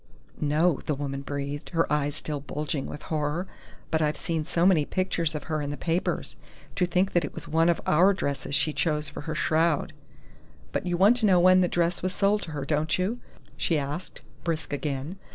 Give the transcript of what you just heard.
"No," the woman breathed, her eyes still bulging with horror. "But I've seen so many pictures of her in the papers.... To think that it was one of our dresses she chose for her shroud! But you want to know when the dress was sold to her, don't you?" she asked, brisk again.